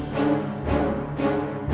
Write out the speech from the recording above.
tau gak sih